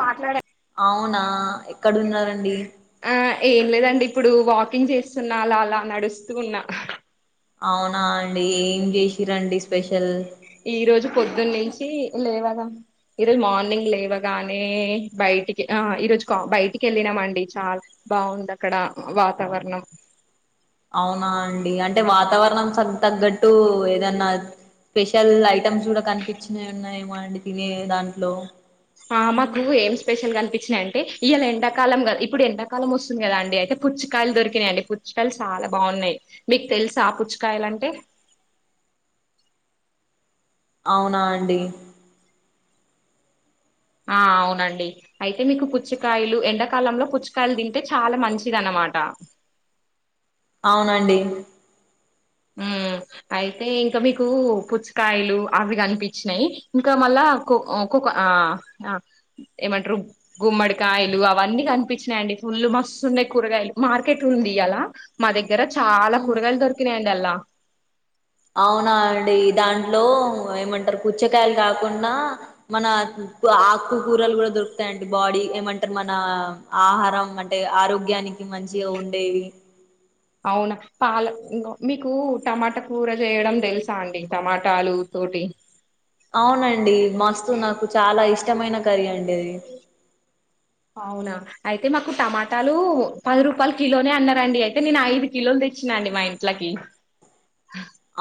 మాట్లాడ అవునా ఎక్కడ ఉన్నారండి ఆ ఏం లేదండి ఇప్పుడు వాకింగ్ చేస్తున్నా అలా అలా నడుస్తూ ఉన్నా అవునా అండి ఏం చేసిరండి స్పెషల్ ఈ రోజు పొద్దున్న నుంచి లేవగా ఈరోజు మార్నింగ్ లేవగానే బయటికి ఆ ఈరోజు బయటికి వెళ్ళినామ అండి చాలా బాగుంది అక్కడ వాతావరణం అవునా అండి అంటే వాతావరణం తగ్గట్టు అటు ఏదన్నా స్పెషల్ ఐటమ్స్ కూడా కనిపించినవి ఉన్నాయేమో అండి తినే దాంట్లో ఆ మాకు ఏం స్పెషల్గా అనిపించినాయి అంటే ఇవాళ ఎండాకాలం కా ఇప్పుడు ఎండాకాలం వస్తుంది కదా అండి అయితే పుచ్చికాయలు దొరికినాయిండి పుచ్చకాయలు చాలా బాగున్నాయి మీకు తెలుసా ఆ పుచ్చకాయలు అంటే అవునా అండి ఆ అవునండి అయితే మీకు కుర్చి కాయలు ఎండకాలంలో పచ్చ లు తింటే చాలా మంచిది అన్నమాట అవునండి అయితే ఇంకా మీకు పుచ్చకాయలు అవి కనిపించినాయి ఇంకా మళ్ళా ఒక్కొక్క ఆ ఏమంటారు గుమ్మడికాయలు అవన్నీ కనిపించినాయిండి ఫుల్లు మస్తు ఉన్నాయి కూరగాయలు మార్కెట్ ఉంది అలా మా దగ్గర దగ్గ చాలా ఉమ్, కూరగాలు దొరికినాయండి లా అవునా అండి దాంట్లో ఏమంటారు పచ్చకాయలు కాకుండా మన ప్పు కూరలు కూడా దొరుకుతాయడి బాడీ ఏమంటారు మన ఆహారం అంటే ఆరోగ్యానికి మంచిగా ఉండేవి అవునా పాల మీకు టమాటా కూర చేయడం తెలుసా అండి టమాటాలు తోటి అవునండి మస్తు నాకు చాలా ఇష్టమైన కర్రీ అండి అదే అవునా అయితే మాకు టమాటాలు పది రూపాయలు కిలోనే అన్నారండి అయితే నేను ఐదు కిలోలు తెచ్చినాఅండి మా ఇంట్లకి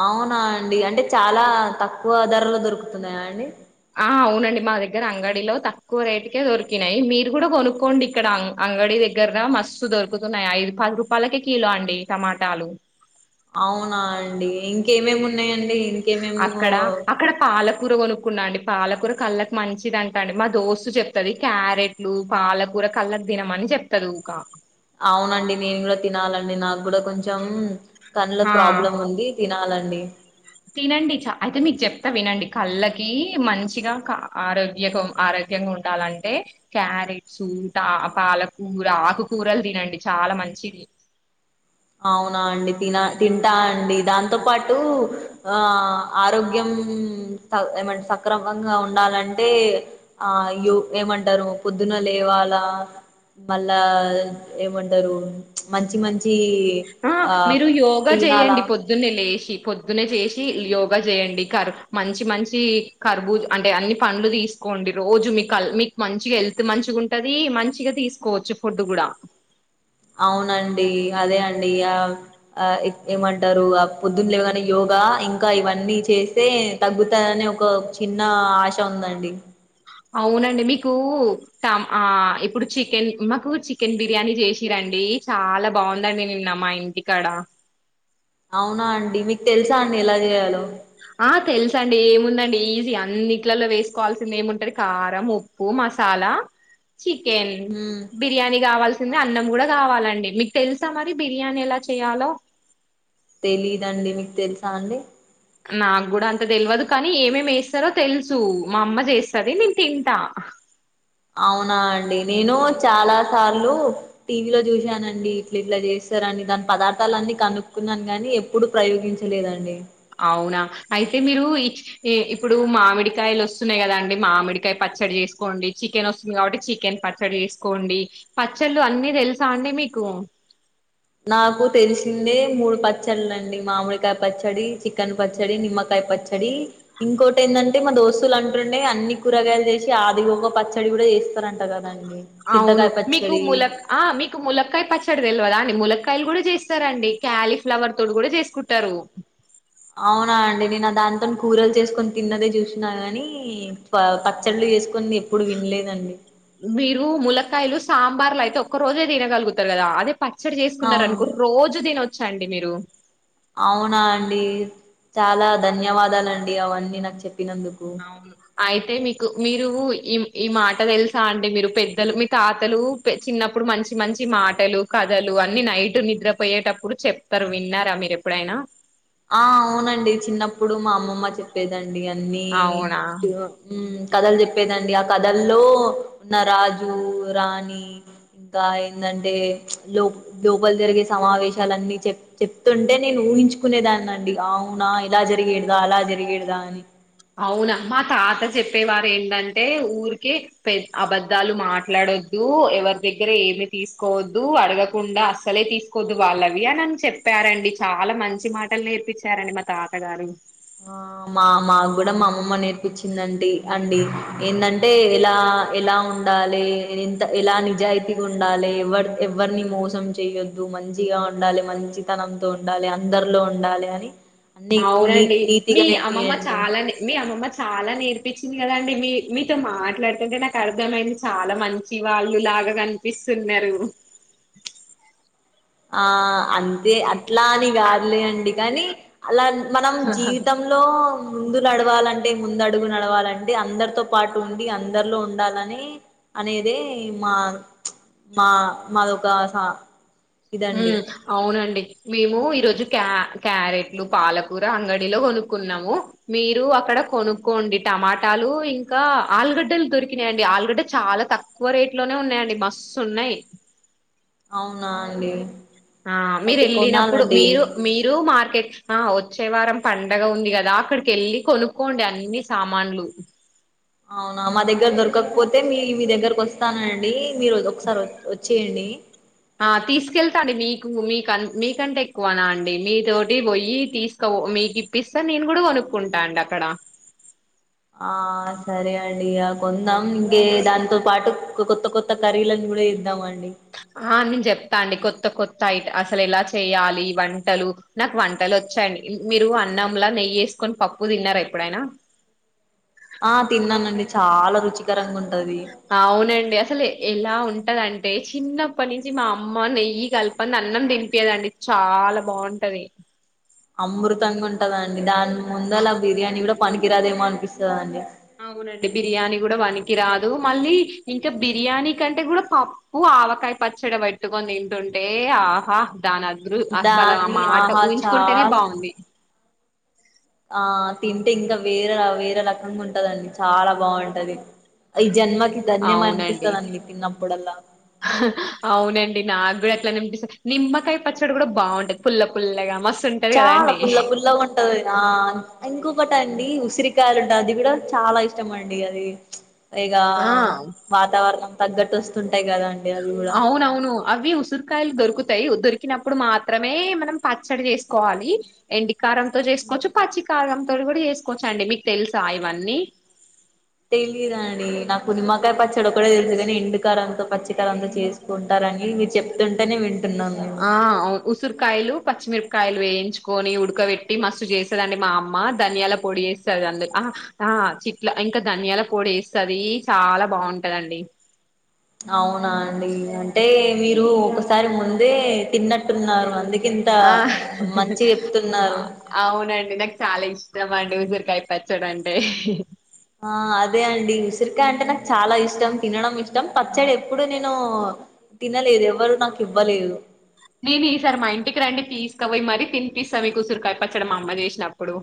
అవునా అండి అంటే చాలా తక్కువ ధరలో దొరుకుతున్నాయా అండి ఆ అవునండి మా దగ్గర అంగడిలో తక్కువ రేటుకే దొరికినాయి మీరు కూడా కొనుక్కోండి ఇక్కడ అంగడి దగ్గర మస్తు దొరుకుతున్నాయి ఐదు పది రూపాయలకే కిలో అండి టమాటాలు అవునా అండి ఇంకేమేమి ఉన్నాయంండి అక్కడ అక్కడ పాలకు కూూర కొనుక్కున్నా అండి పాలకూర కళ్ళకి మంచిది అంటా అండి మా దోస్తు చెప్తది క్యారెట్లు పాలకూర కళ్ళకు తినమ అని చెప్తదికా అవునండి నేను కూడా తినాలండి నాకు కూడా కొంచెం కన్నల హా ప్రాబ్లం ఉంది తినాలండి అడి తినండి చ అయితే మీకు చెప్తా వినండి కళ్ళకి మంచిగా ఆరోగ్య ఆరోగ్యంగా ఉండాలంటే క్యారెట్స్ పాలకూర ఆకుకూరలు తినండి చాలా మంచిది అవునా అండి తిన తింటా అండి దాంతో పాటు ఆ ఆరోగ్యం ఏమంట సక్రమంగా ఉండాలంటే ఆ యో ఏమంటారు పొద్దున లేవాలా మళ్ళా ఏమంటారు మంచి మంచి ఆ మీరు యోగా తినాలా చేయయండి పొద్దున్నే లేసి పొద్దునే చేసి యోగా చేయండి కర్ మంచి మంచి కర్బూ అంటే అన్ని పంలు తీసుకోండి రోజు మీకు మీకు మంచి హెల్త్ మంచిగా ఉంటది మంచిగా తీసుకోవచ్చు ఫుడ్ కూడా అవునండి అదే అండి ఆ ఏమంటారు ఆ పొద్దున్నలే కానీ యోగా ఇంకా ఇవన్నీ చేస్తే తగ్గుతాయనే ఒక చిన్న ఆశ ఉందండి అవునండి మీకు ఆ ఇప్పుడు చికెన్ మాకు చికెన్ బిర్యానీ చేసిరండి చాలా బాగుందండి నిన్న మా ఇంటికాడ అవునా అండి మీకు తెలుసా అండి ఎలా చేయాలో ఆ తెలుస అండి ఏముందండి ఈజీ అన్నిట్లలో వేసుకోవాల్సింది ఏముంటుంది కారం ఉప్పు మసాలా చికెన్ హ్మ్ బిర్యానీ కావాల్సింది అన్నం కూడా కావాలండి మీకు తెలుసా మరి బిర్యానీ ఎలా చేయాలో తెలీదండి మీకు తెలుసా అండి నాకు కూడా అంత తెల్యదు కానీ ఏమేమి వేస్తారో తెలుసు మా అమ్మ చేస్తది నేను తింటా అవునా అండి నేను చాలా సార్లు టీవీలో చూశానండి ఇట్లా ఇట్లా చేస్తారని దాని పదార్థాల అన్ని కనుక్కున్నాను గాని ఎప్పుడు ప్రయోగించలేదండి. అవునా అయితే మీరు ఇ ఇప్పుడు మామిడికాయలు వస్తున్నాయి కదా అండి. మామిడికాయ పచ్చడి చేసుకోండి. చికెన్ వస్తుంది కాబట్టి చికెన్ పచ్చడి చేసుకోండి. పచ్చళ్ళు అన్నీ తెలుసా అండి మీకు నాకు తెలిసిందే మూడు పచ్చడిలండి మామిడికాయ పచ్చడి, చికెన్ పచ్చడి, నిమ్మకాయ పచ్చడి, ఇంకోటి ఏంటంటే మా దోస్తులు అంటుండే అన్ని కూరగాయలు చేసి ఆది ఒక పచ్చడి కూడా చేస్తారంట కదండి. అవును చింతకాయ మీకు పచ్చడి ముల్ల ఆ మీకు ములక్కయ పచ్చడిది తెల్వదా అండి ములక్కాయ్ కాయలు కూడా చేస్తారండి క్యాలీఫ్లవర్ తోడు కూడా చేసుకుంటారు. అవునా అండి నేను దానితో కూరలు చేసుకొని తిన్నదే చూసినాను గాని పచ్చళ్ళు చేసుకుని ఎప్పుడు వినలేదండి. మీరు ముల్లకాయలు సాంబార్లు అయితే ఒక్క రోజే తినగలుగుతారు కదా అదే పచ్చడి చేసుకున్నారు అవును అనుకో రోజు దీనచ్ చండి మీరు అవునా అండి చాలా ధన్యవాదాలండి అవన్నీ నాకు చెప్ అవును అయితే మీకు మీరు ఈ ఈ మాట తెలుసా అండి మీరు పెద్దలు మీ తాతలు చిన్నప్పుడు మంచి మంచి మాటలు కథలు అన్ని నైట్ నిద్రపోయేటప్పుడు చెప్తారు. విన్నారా, మీరు ఎప్పుడైనా ఆ అవునండి చిన్నప్పుడు మా అమ్మమ్మ చెప్పేదండి అండి అవునా అన్నీ కథలు చెప్పేదండి ఆ కథల్లో ఉన్న రాజు రాణి ఇంకా ఏందంటే ప్చ్ లో లోపలి జరిగే సమావేశాలన్ని చె చెప్తుంటే నేను ఊహించు కునేదాన్ని అండి అవునా ఇలా జరిగేడ్దా అలా జరిగేడ్దా అని అవునా మా తాత చెప్పేవారు ఏంటంటే ఊరికే పె అబధాలు మాట్లాడొద్దు ఎవరి దగ్గర ఏమి తీసుకోవద్దు అడగకుండా అస్సలే తీసుకోవద్దు వాళ్ళవి అని అని చెప్పారంండి చాలా మంచి మాటలు నేర్పించారండి మా తాత గారు ఆ మా మాకు కూడా మా అమ్మమ్మ నేర్పచ్చిందండి అండి ఏంటంటే ఇలా ఎలా ఉండాలి ఇంత ఎలా నిజాయితీగా ఉండాలి ఎవ ఎవరిని మోసం చెయొద్దు మంచిగా ఉండాలి మంచితనంతో ఉండాలి అందరిలో ఉండాలి అని డిగ్ మీ అవునండి మీ అమ్మమ్మ చాలానే మీ అమ్మమ్మ చాలా నేర్పించింది కదా అండి మీ మీతో మాట్లాడుతుంటే నాకు అర్థమైంది చాలా మంచి వాళ్ళులాగా కనిపిస్తున్నారు ఆ అంతే అన్ ఇలాని కాదులే అండి కానీ అలా మనం జీవితంలో ముందు నడవాలంటే ముందు అడుగు నడవాలంటే అందరితో పాటు ఉండి అందరిలో ఉండాలని అనేది మా మా మాదొక సా ఇదండి మ్మ్ అవునండి మేము ఈరోజు క్యా క్యారెట్లు పాలకూర అంగడలో కొనుక్కున్నాము మీరు అక్కడ కొనుక్కోండి టమాటాలు ఇంకా ఆలుగడ్డలు దొరికినాయండి ఆలుగడ్డ చాలా తక్కువ రేట్ లోనే ఉన్నాయండి మస్తు ఉన్నాయి అవునా అండి ఆ మీరు అయితే వెళ్ళినప్పుడు కొనాలండి మీరు మీరు మార్కెట్ ఆ వచ్చేవారం పండగ ఉంది కదా అక్కడికి వెళ్ళి కొనుక్కోండి అన్ని సామాన్లు అవునా మా దగ్గర దొరకపోతే మీ మీ దగ్గరకి వస్తానండి అండి మీరు ఒకసారి వచ్చేయండి ఆ తీసుకెళ్తాండి మీకు మీక మీకంటే ఎక్కువనా అండి మీ తోటి పోయి తీసుకో మీకు ఇప్పిస్త నేను కూడా కొనుక్కుంటా అండి అక్కడ ఆ సరే అండి ఆ కొందాం ఇంకే దాంతో పాటు కొత్త కొత్త కర్రీలని కూడా చేద్దాం అండి ఆ నేను చెప్తా అండి కొత్త కొత్త ఐ అసలు ఎలా చేయాలి వంటలు నాకు వంటలు వచ్చాయండి మీరు అన్నంలా నెయ్యి వేసుకొని పప్పు తిన్నారా ఎప్పుడైనా ఆ తిన్నానండి చాలా రుచికరంగా ఉంటు అవునండి అసలు ఎలా ఉంట్ ఉంటదంటే చిన్నప్పటి నుంచి మా అమ్మ నెయ్యి కలపంది అన్నం తినిపీయదండి చాలా బాగుంటది అమృతంగా ఉంటందండి దాన్ని ముందల బిర్యానీ కూడా పనికిరాదేమో అనిపిస్తది అండి అవునండి బిర్యానీ కూడా వనికిరాదు మళ్ళీ ఇంకా బిర్యానీ కంటే కూడా పప్పు ఆవకాయ పచ్చడి పెట్టుకొని తింటుంటే ఆహా దానద్రు అసలు ఆ దాన్ని మాట ఆహా ఊహించుకుంటేనే చాలా బాగుంది ఆ తింటే ఇంకా వేరే వేరే రకంగా ఉంటదండి చాలా బాగుంటది ఈ జన్మకి అవునండి ధన్యమనిపిస్తదండి తిన్నప్పుడల్లా ఇలా నిమ్మకాయ పచ్చడి కూడా బాగుంటది పుల్ల పుల్లగా మస్ చాలా పుల్ల పుల్ల ఉంటంది కదా ఇంకోపట అండి ఉసిరి కాలంట అది కూడా చాలా ఇష్టం అండి అది ఇగా ఆ వాతావరణం తగ్గటొస్తుంది అవునవును అవి ఉసరి కాయల్ దొరుకు దొరికినప్పుడు మాత్రమే మనం పచ్చడి చేసుకోవాలి ఎండి కారంతో చేసుకోవచ్చు పచ్చికారం ఇక్కడ కూడా చేసుకోవచ్చండి మీకు తెలుసా ఇవన్నీ తెలీయదండి నాకు నిమ్మకాయ పచ్చడి ఒక్కటే తెలుసు కాని, ఎండుకారంతో, పచ్చిికారంతో, చేసుకుంటార్ అని మీరు చెప్తుంటనే విన్ ఆ ఉసురు కాయలు పచ్చిమిర్ కాయలు వేయించుకొని, ఉడకబెట్టి మస్తు చేస్తుందిండి, మా అమ్మ ధనియాల పొడి వేస్తది అందు చిట్లా ఇంకా ధనియాల పొడి వేస్తది చాలా బాగుంటదండి అవునా అండి అంటే మీరు ఒకసారి ముందే తిన్నట్టున్నారు అంది ఆ అవునండి నాకు చాలా ఇష్ ష్టం అండి ఉసిరికాయ పచ్చడంటే ఆ అదే అండి ఉసిరికాయ అంటే నాకు చాలా ఇష్టం, తినడం ఇష్టం, పచ్చడి ఎప్పుడు నేను తినలేదు ఎవరు నాకు ఇవ్వలేదు నేను ఈ సార్ మా ఇంటికి రండి, తీసుక వోయి మరీ తినిపిస్తా మీకు ఉసరికాయ పచ్చడి మా అమ్మ చేసినప్పుడు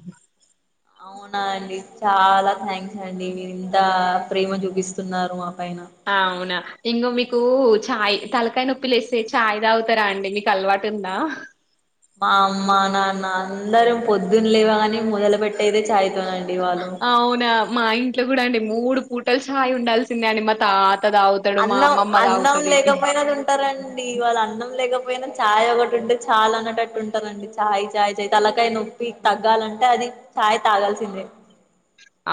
అవునా అండి చాలా థ్యాంక్స్ అండి మీరు ఇంత ప్రేమ చూపిస్తున్నారు మా పైన ఆ అవునా ఇంగో మీకు చాయ్ తలకాయ నొప్పి లేస్తే చాయ్ తాగుతారా అండి మీకు అలవాటు ఉందా మా అమ్మా నాన్న అందరం పొద్దున్న లేవాగానే మొదలు పెెట్టేదే చాయ్ తో నన్ అవునా మా ఇంట్లో కూడా అండి మూడు పూటల్ చాయ్ ఉండాల్సిందే అని మా తా అన్నం అన్నం లేకపోయినది ఉంటారండి ఇవాళ అన్నం లేకపొ యినా ఛాయ్ ఒకటి ఉంటే చాల్ అనేటట్టు ఉంటారండి చాయ్ చాయ్ చయ్ తలకాయ నొప్పి తగ్గాలంటే అది చాయ్ తాగాల్సిందే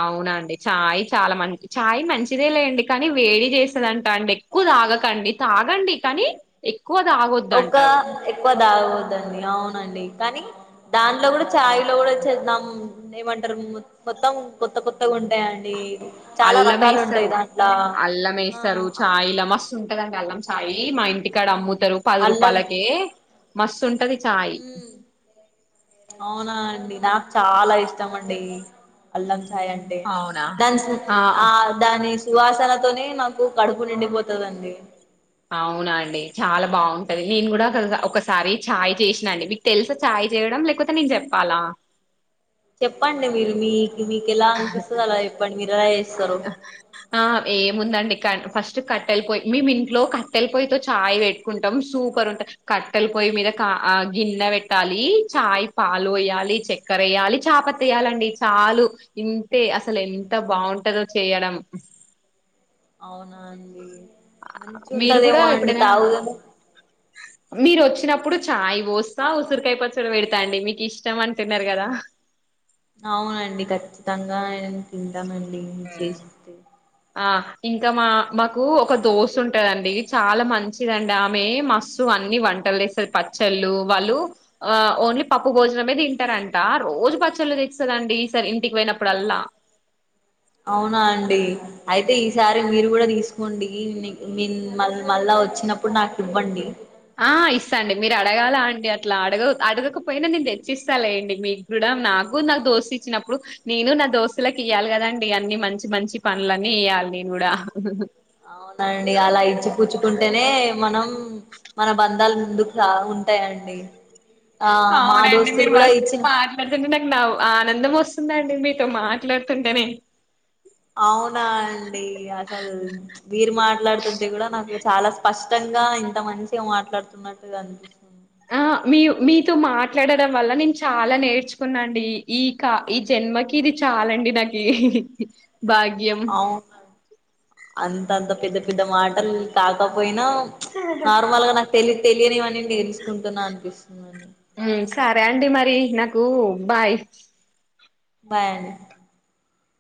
అవునండి చాయ్ చాలా మంచి చాయ్ మంచిదే లేండి కానీ వేడి చేసదంటా అండి ఎక్కువ తాగకండి తాగండి కానీ ఎక్కువ తాగొద్దు ఒక అంటారు ఎక్కువ దాగపోతుండి అవునండి కానీ దాంట్లో కూడా చాయ్ లో కూడా చే ఏమంటారు మొత్తం కొత్త కొత్తగా ఉ అంటాండి చాలా అల్లం రకాలు ఉంటాయి వేస్తారు దాంట్లో అల్లం ఆ వేస్తారు చాయ్లా మస్తు ఉంటదండి అల్లం చాయి యి మా ఇంటికాడ అమ్ముతరు పది అల్లం రూపాలకే మస్సు ఉంటది చాయ్ ఉమ్ అవునా అండి నాకు చాలా ఇష్టం అండి అల్లం చ్ చాయ్ అంటే అవునా దాంచ్ న్ ఆ దాని సువాసనతోనే నాకు కడుపు నిండిపోతుందిండి అవునా అండి చాలా బాగుంటది నేను కూడా ఒకసారి చాయ్ చేసినా అండి మీకు తెలుసా చాయ్ చేయడం లేకపోతే నేను చెప్పాలా చెప్పండి మీరు మీ మీకలనుపిసాల ప ఆ ఏ ముందా అ క ఫస్ట్ కట్టెల పొయి మేము ఇంట్లో కట్టెల పొయ్య తతో చాయ్ పెట్టుకుంటాం సూపర్ ఉంటు కట్టెల పొయ్య మీద కా గిన్నె పెట్టాలి చాయ్ పాలు వేయాలి చక్కెర వేయాలి చాపత వేయాలండి చాలు ఇంతే అసలు ఎ అంత బాగుంటందో చేయడం అవునా అడి మంచి మీరు కూడా ఉంటదేమో అండి ఎప్పుడైనా తాగు కదా మీరు వచ్చినప్పుడు చాయ్ పోస్తా ఉసిరికాయ పచ్చడి పెడతాండి మీకు ఇష్టం అంటున్నారు కదా అవునండి ఖచ్చితంగా నండి హ్మ్ చేసితే ఆ ఇంకా మా మాకు ఒక దోసా ఉంటదండి చాలా మంచిదండి ఆమె మస్సు అన్ని వంటలు తెస్తుంది పచ్చళ్ళు వాళ్ళు ఆ ఓన్లీ పప్పు భోజనం మీది తింటారంట రోజు పచ్చలు తెస్తుదండి ఈసారి ఇంటికి పోయినప్పుడల్లా అవునా అండి అయితే ఈసారి మీరు కూడా తీసుకోండి మళ్ళా వచ్చినప్పుడు నాకు ఇవ్వండి ఆ ఇస్తా అండి మీరు అడగాల అండి అట్లా అడగ అడగకపోయినా నేను తెచ్చిస్తాల అండి మీకు కూడా నాకు నాకు దోస్తు ఇచ్చినప్పుడు నేను నా దోస్తులలకు ఇయ్యాలి కదండి అన్ని మంచి మంచి పనులన్నీ ఇయ్యాలి నేను కూడా అవునండి అలా ఇచ్చి పచ్చుకుంటేనే మనం మన బంధాలు ముందుకు ఉంటాయండి ఆ మా అవునండి దోస్తులు మీరు కూడా మస్త్ ఇచ్చిన మాట్లాడుతుంటే ఆనందం వస్తుందండి మీతో మాట్లాడుతుంటేనే అవునా అండి అసలు మీరు మాట్లాడుతుంటే కూడా నాకు చాలా స్పష్టంగా ఇంత మంచిగా మాట్లాడుతున్నట్టుగా అనిపిస్తుంది ఆ మీ మీతో మాట్లాడడం వల్ల నేను చాలా నేర్చుకున్నాండి ఈ కా ఈ జన్మకి ఇది చాలండి నాకి భాగ్యం అవును అంత అంత పెద్ద పెద్ద మాటలు కాకపోయినా నార్మల్గా నాకు పెళ్ళి తెలియనివని తేలుసుకుంటున్నా అనిపిస్తుందంని సరే అండి మరి నాకు బాయ్ బాయడి